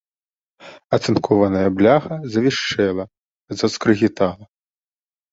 Ацынкованая бляха завішчэла, заскрыгітала.